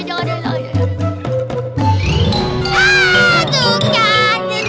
jangan jangan jangan